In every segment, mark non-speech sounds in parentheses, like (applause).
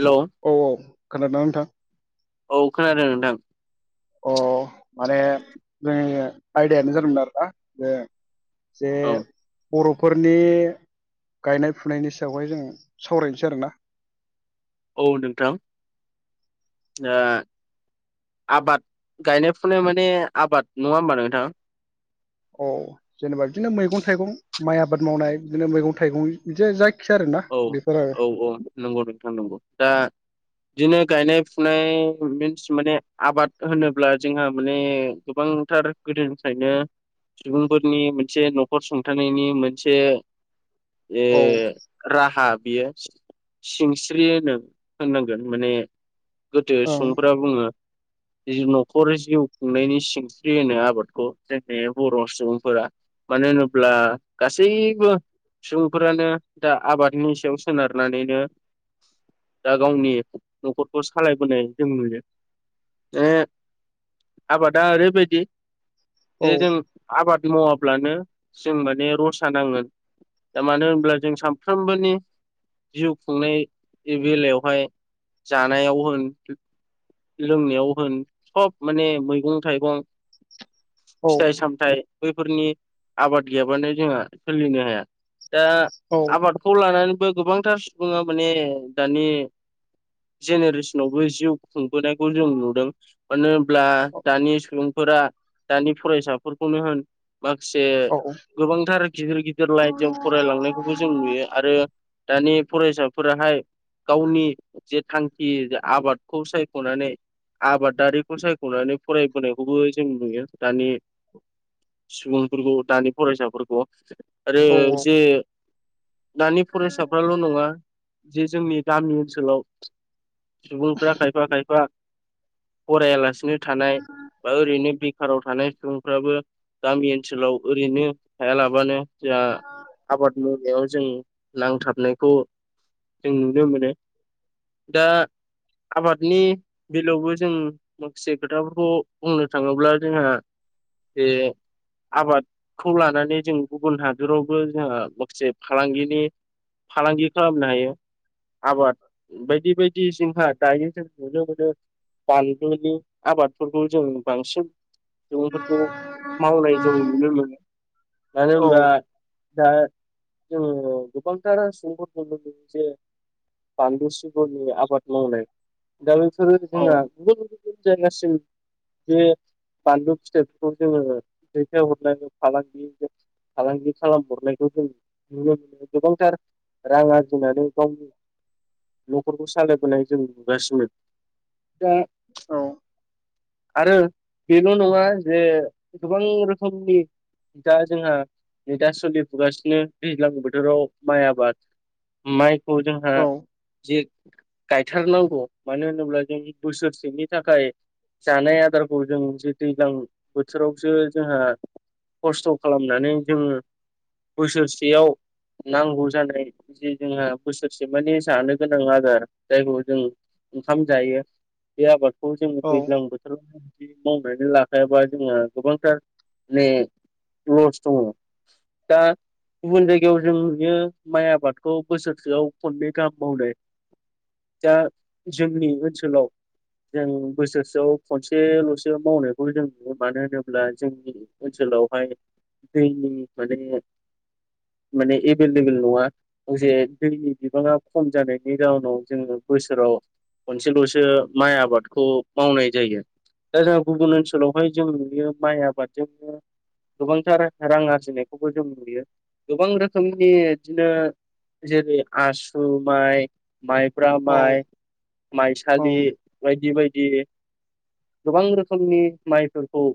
हेल' औ औ खोनादोंना नोंथां? औ खोनादों नोंथां। अ माने जोनि आयदायानो जादोंमोन आरोना बे जे औ बर'फोरनि गायनाय फुनायनि सायावहाय जों सावरायनोसै आरोना औ नोंथां दा आबाद गायनाय-फुनाय माने आबाद नङा होमबा नोंथां? अ जेनेबा बिदिनो मैगं-थाइगं माइ आबाद मावनाय बिदिनो मैगं-थाइगं बिदि जाय औ औ औ नंगौ नोंथां नंगौ दा बिदिनो गायनाय, फुनाय मिन्स माने आबाद होनोब्ला जोंहा माने गोबांथार गोदोनिफ्रायनो सुबुंफोरनि मोनसे न'खर सुंथानायनि मोनसे ओ औ राहा बियो सिंस्रि होनो होननांगोन माने गोदो ओं सुबुंफोरा बुङो जि न'खर जिउ खुंनायनि सिनस्रि होनो आबादखौ जोंनि बर' सुबुंफोरा मानो होनोब्ला गासैबो सुबुंफोरानो दा आबादनि सायाव सोनारनानैनो दा गावनि न'खरखौ सालायबोनाय जों नुयो ओ आबादा ओरैबायदि जे जों औ आबाद मावाब्लानो जों माने रसा नांगोन दा मानो होनब्ला जों सानफ्रोमबोनि जिउ खुंनाय बेलायावहाय जानायाव होन लोंनायाव होन सब माने मैगं-थाइगं फिथाइ साम थाइ बैफोरनि आबाद गैयाबानो जोंहा सोलिनो हाया दा औ आबाद खौ लानानैबो गोबांथार सुबुङा माने दानि जेनेरेसनावबो जिउ खुंबोनायखौ जों नुदों। मानो होनब्ला दानि सुबुंफोरा दानि फरायसाफोरखौनो होन माखासे औ गोबांथार गिदिर गिदिर लाइनजों फरायलांनायखौबो जों नुयो आरो आरो दानि फरायसाफोराहाय गावनि जे थांखि आबादखौ सायख'नानै आबादारिखौ सायख'नानै फरायबोनायखौबो जों नुयो दानि सुबुंफोरखौ दानि फरायसाफोरखौ आरो औ जे दानि फरायसाफ्राल' नङा जे जोंनि गामि ओनसोलाव सुबुंफ्रा खायफा खायफा फरायालासिनो थानाय बा ओरैनो बेखाराव थानाय सुबुंफ्राबो गामि ओनसोलाव ओरैनो थायालाबानो जोहा (inaudible) मोनायाव जों नांथाबनायखौ जों नुनो मोनो। दा आबादनि बेलयावबो जों माखासे खोथाफोरखौ बुंनो थाङोब्ला जोङो बे आबादखौ लानानै जों गुबुन हादरावबो जोंहा जे फालांगिनि फालांगि खालामनो हायो। आबाद बायदि बायदि जोंहा दायो जों नुनो मोनो बानलुनि आबादफोरखौ जों बांसिन सुबुंफोरखौ मावनाय जों नुनो मोनो मानो औ होनबा दा दखानदार सपद बन्द बानलु सिब्रनि आबाद मावनाय दा बेफोरो जोंहा गुबुन गुबुन जायगासिम बे बानलु फिथाइफोरखौ जोङो दैथायहरनाय फालांगि फालांगि खालामहरनाय खौ जों नुनो मोनो गोबांथार रां आरजिनानै गावनो न'खरखौ सालायबोनाय जों नुगासिनो दा औ आरो बेल' नङा जे गोबां रोखोमनि दा जोंहा नै दा सलि नुगासिनो दैज्लां बोथोराव माइ आबाद माइखौ जोंहा औ जे गायथारनांगौ मानो होनोब्ला जों बोसोरसेनि थाखाय जानाय आदारखौ जों जे दैज्लां बोथोरावसो जोंहा खसथ' खालामनानै जोङो बोसोरसेयाव नांगौ जानाय जे जोंहा बोसोरसेमानि जानो गोनां आदार जायखौ जों ओंखाम जायो बे आबादखौ जों औ दैज्लां बो (unintelligible) मावनानै लाखायाबा जोंहा गोबांथार माने लस दङ दा गुबुन जायगायाव जों नुयो माइ आबादखौ बोसोरसेआव खननै गाहाम मावनाय दा जोंनि ओनसोलाव जों बोसोरसेआव खनसेल'सो मावनायखौ जों नुयो मानो होनोब्ला जोंनि ओनसोलावहाय दैनि माने माने एभेलेबेल नङा से दैनि बिबाङा खम जानायनि जाउनाव जोङो बोसोराव खनसेल'सो माइ आबादखौ मावनाय जायो दा जोंहा गुबुन ओनसोलावहाय जों नुयो माइ आबादजोंनो गोबांथार रां आरजिनायखौबो जों नुयो गोबां रोखोमनि बिदिनो जेरै आससु माइ माइब्रा औ माइ माइसालि बायदि बायदि गोबां रोखोमनि माइफोरखौ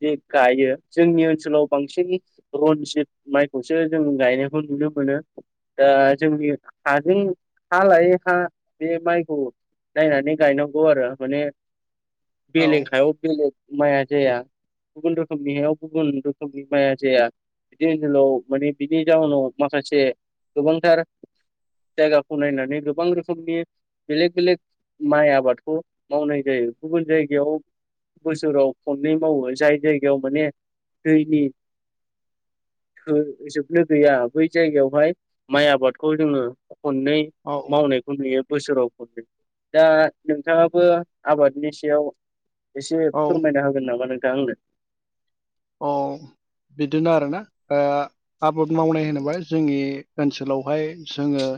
जे गायो जोंनि ओनसोलाव बांसिन रनजित माइखौसो जों गायनायखौ नुनो मोनो दा जोंनि हाजों हा लायै हा बे माइखौ नायनानै गायनांगौ आरो माने बेलेग हायाव बेलेग माया जाया गुबुन रोखोमनियाव गुबुन रोखोमनि माया जाया बिदि ओनसोलाव माने बिनि जााहोनाव माखासे गोबांथार जायगाखौ नायनानै गोबां रोखोमनि बेलेक बेलेक माइ आबादखौ मावनाय जायो गुबुन जायगायाव बोसोराव खननै मावो जाय जायगायाव माने दैनि हो जोबनो गैया बै जायगायावहाय माइ आबादखौ जोङो खननै औ मावनायखौ नुयो बोसोराव खनो दा नोंथाङाबो आबादनि सायाव एसे औ औ फोरमायना होगोन नामा नोंथाङा आंनो औ बिदिनो आरोना दा ओ आबाद मावनाय होनोब्ला जोंनि ओनसोलावहाय जोङो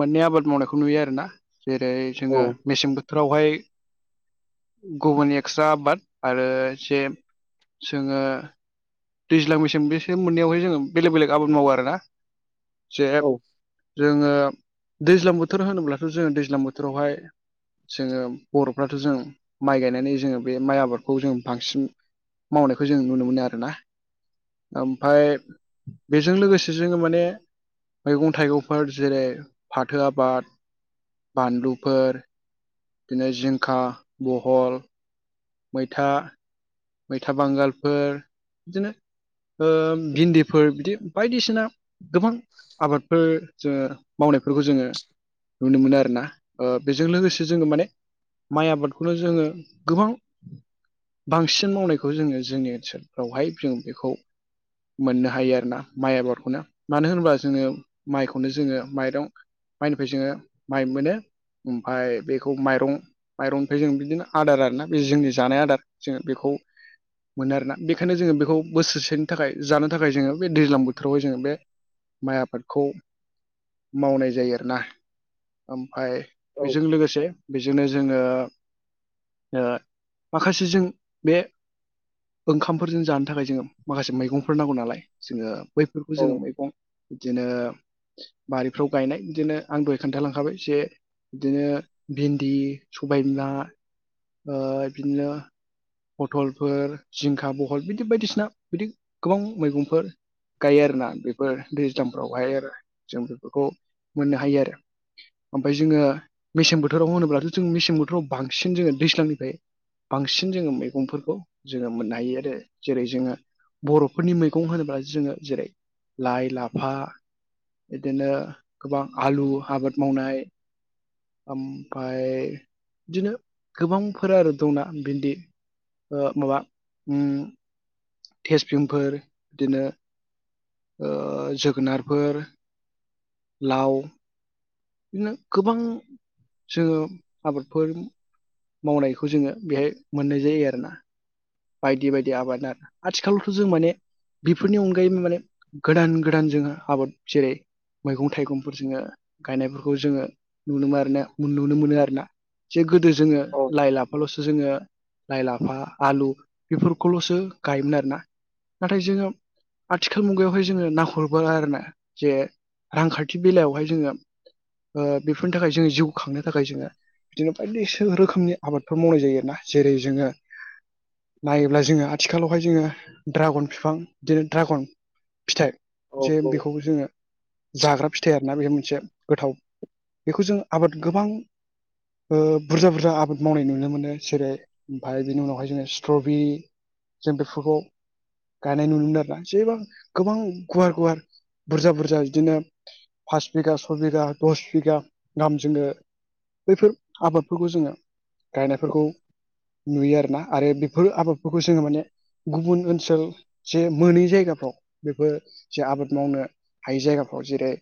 मोननै आबाद मावनायखौ नुयो आरोना जेरै औ जोङो मेसें बो थोरावहाय गुबुन एक्सट्रा आबाद आरो एसे जोङो दैज्लां मेसें बेसोर मोननैयावाय जोङो बेलेग बेलेग आबाद मावो आरोना जे औ जोङो दैज्लां बोथोर होनोब्लाथ' जोङो दैज्लां बोथोरावहाय जोङो बर'फ्राथ' जों माइ गायनानै जोङो बे माइ आबादखौ जों बांसिन मावनायखौ जों नुनो मोनो आरोना ओमफ्राय बेजों लोगोसे जोङो माने मैगं थाइगंफोर जेरै फाथो आबाद बानलुफोर बिदिनो जिंखा बहल मैथा मैथा बांगालफोर बिदिनो ओ भिन्दिफोर बिदि बायदिसिना गोबां आबादफोर जोङो मावनायफोरखौ जोङो नुनो मोनो आरोना ओ बेजों लोगोसे जोङो माने माइ आबादखौनो जोङो गोबां बांसिन मावनायखौ जोङो जोंनि ओनसोलफ्रावहाय जों बेखौ मोननो हायो आरोना माइ आबादखौनो मानो होनोबा जोङो माइखौनो जोङो माइरं माइनिफ्राय जोङो माइ मोनो ओमफ्राय बेखौ माइरं माइरंनिफ्राय जों बिदिनो आदार आरोना बे जोंनि जानाय आदार जोङो बेखौ मोनो आरोना बेखायनो जोङो बेखौ बोसोरसेनि थाखाय जानो थाखाय जोङो बे दैज्लां बोथोरावहाय जोङो बे माइ आबादखौ मावनाय जायो आरोना ओमफ्राय औ बेजों लोगोसे जोंनो जोङो ओ माखासे जों बे ओंखामफोरजों जानो थाखाय जोङो माखासे मैगंफोर नांगौ नालाय जोङो बैफोरखौ औ जों मैगं बिदिनो बारिफ्राव गायनाय बिदिनो आं दहाय खोनथालांखाबाय जे बिदिनो भिन्दि सबायबिमा ओ बिदिनो पथलफोर जिंखा बहल बिदि बायदिसिना बिदि गोबां मैगंफोर गायो आरोना बेफोर दैज्लांफोरावहाय आरो जों बेफोरखौ मोननो हायो आरो ओमफ्राय जोङो मेसें बोथोराव होनोब्लाथ जों मेसें बोथोराव बांसिन जोङो दैज्लांनिफ्राय बांसिन जोङो मैगंफोरखौ जोङो मोननो हायो आरो जेरै जोङो बर'फोरनि मैगं होनोब्ला जोङो जेरै लाइ लाफा बिदिनो गोबां आलु आबाद मावनाय ओमफ्राय बिदिनो गोबांफोर आरो दं ना भिन्दि ओ माबा उम तेजफिमफोर बिदिनो ओ जोगोनारफोर लाव बिदिनो गोबां जोङो आबादफोर मावनायखौ जोङो बेहाय मोननाय जायो आरोना बायदि बायदि आबाद आथिखालावथ जों माने बेफोरनि अनगायैबो माने गोदान गोदान जोङो आबाद जेरै मैगं थाइगंफोर जोङो गायनायफोरखौ जोङो नुनो मोन आरोना नुनो मोनो आरोना एसे गोदो जोङो औ लाइ लाफाल'सो जोङो लाइ लाफा आलु बेफोरखौलसो गायोमोन आरोना नाथाय जोङो आथिखाल मुगायावहाय जोङो नाहरबा आरोना जे रांखान्थि बेलायावहाय जोङो ओ बेफोरनि थाखाय जोङो जिउ खांनो थाखाय जोङो बिदिनो बायदिसो रोखोमनि आबादफोर मावनाय जायो आरोना जेरै जोङो नायोब्ला जोङो आथिखालावहाय जोङो ड्रागन बिफां बिदिनो ड्रागन फिथाइ जे औ बेखौ जोङो जाग्रा फिथाइ आरोना बे मोनसे गोथाव बेखौ जों आबाद गोबां बुरजा बुरजा आाद मावनाय नुनो मोनो जेरै ओमफ्राय बेनि उनावहाय जोङो स्ट्रबेरि जों बेफोरखौ गायनाय नुनो मोनो आरोना जेबां गोबां गुवार गुवार बुरजा बुरजा बिदिनो फास बिगा सय बिगा दस बिगा गाहाम जोङो बैफोर आबादफोरखौ जोङो गायनायफोरखौ नुयो आरोना आरो बे फोर आबादफोरखौ जोङो माने गुबुन ओनसोल जे मोनै जायगाफ्राव बेफोर जे आबाद मावनो हाय जायगाफ्राव जेरै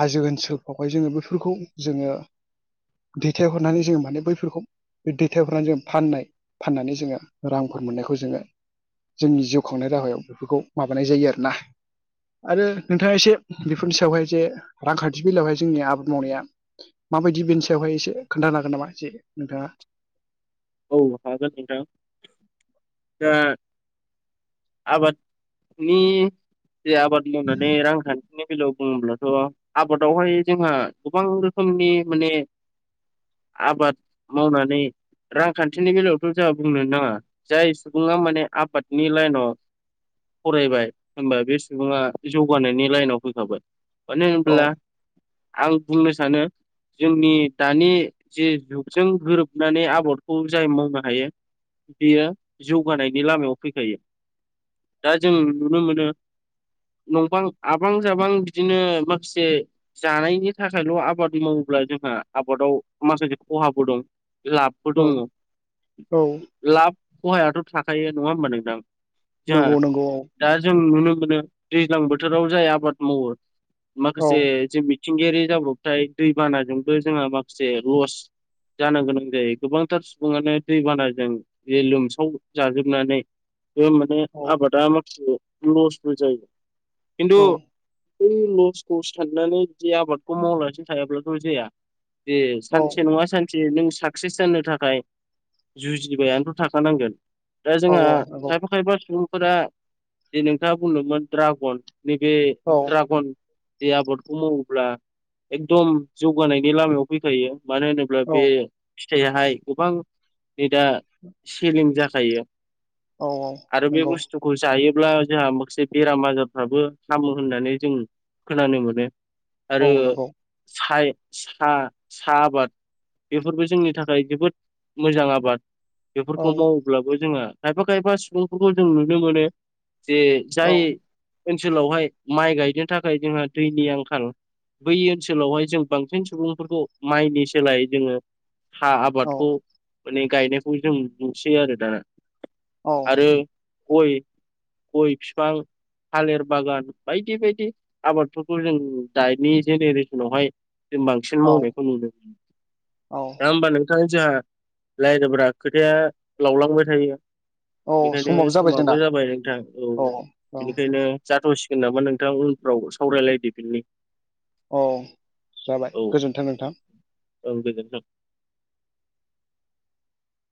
हाजो ओनसोलफ्रावहाय जोङो बेफोरखौ जोङो दैथायहरनानै जोङो माने बैफोरखौ बे दैथायहरनानै जो फाननाय फाननानै जोङो रांफोर मोननायखौ जोङो जोंनि जिउ खांनाय राहायाव बेफोरखौ माबानाय जायो आरोना। आरो नोंथाङा एसे बेफोरनि सायावहाय जे रांखान्थि बेलायावहाय जोंनि आबाद मावनाया माबायदि बेनि सायावहाय एसे खोन्थानो हागोन नामा जे नोंथाङा औ हागोन नोंथां औ दा आबादनि जे आबाद मावनानै रांखान्थि नि बेलायाव बुङोब्लाथ' आबादावहाय जोंहा गोबां रोखोमनि माने आबाद मावनानै रांखान्थिनि बेलायावथ' जोंहा बुंनो नाङा जाय सुबुङा माने आबादनि लाइनाव फरायबाय होनबा बे सुबुङा जौगानायनि लाइनाव फैखाबाय मानो औ होनब्ला आं बुंनो सानो जोंनि दानि जे जुगजों गोरोबनानै आबाद खौ जाय मावनो हायो बेयो जौगानायनि लामायाव फैखायो। दा जों नुनो मोनो नंबां आबां जाबां बिदिनो माखासे जानायनि थाखायल आबाद मावोब्ला जोंहा आबादाव माखासे खहाबो दं लाब औ दङ औ लाब खहायाथ' थाखायो नङा होमबा नोंथां? नंगौ जोंहा नंगौ औ दा जों नुनो मोनो दैज्लां बोथोराव जाय आबाद मावो औ औ माखासे जों बि मिथिंगायारि जाब्रबथाय दैबानाजोंबो जोंहा माखासे लस जानो गोनां जायो। गोबांथार सुबुङानो दैबानाजों बे लोमसाव जाजोबनानै माने औ आबादा आ लस जायो खिन्थु औ बै लसखौसो साननानै जुदि आबादखौ मावलासनो थायाब्लाथ' जाया। दे औ सानसे नङा सानसे नों साक्सेस जानो थाखाय जुजिबायानोथ' थाखानांगोन दा औ जोंहा नंगौ खायफा खायफा सुबुं फोर जे नोंथाङा बुंदोंमोन ड्रागन नैबे औ ड्रागन जे आबादखौ मावोब्ला एकदम जौगानायनि लामायाव फैखायो मानो होनोब्ला अब्ला औ बे फिथाइयाहाय गोबां नै दा सेलिं जाखायो। औ आरो बे नंगौ बुस्थु खौ जायोब्ला जोंहा माखासे बेराम आजारफ्राबो हामो होननानै जों खोनानो मोनो। औ आरो नंगौ सा आबाद बेफोरबायदि जोंनि थाखाय जोबोद मोजां आबाद औ बेफोरखौ माव अब्लाबो जोंहा खायफा खायफा सुबुंफोरखौ जों नुनो मोनो जे जाय ओनसोलावहाय माइ गायनो थाखाय जोंहा दैनि आंखाल बै ओनसोलावहाय जों बांसिन सुबुंफोरखौ माइनि सोलायै जोङो सा औ आबादखौ माने गायनायखौ जों नुसै आरो दाना। औ आरो गय गय फिफां थालिर बागान बायदि बायदि आबादफोरखौ जों दानि जेनेरेसनावहाय जों बांसिन औ मावनायखौ नुदों औ नङा होमबा नोंथांनि जोंहा रायदोब्रा खोथाया लावलांबाय थायो औ बेखायनो जाबाय जोंना समाबो जाबाय नोंथां औ औ बेनिखायनो जाथ'सिगोन नामा नोंथां उनफ्राव सावरायलायदो बिनि औ जाबाय गोजोन्थों नोंथां औ गोजोनथों